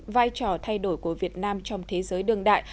vai trò thay đổi của việt nam trong thế giới đương đại